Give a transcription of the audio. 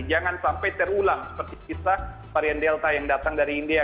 jangan sampai terulang seperti kisah varian delta yang datang dari india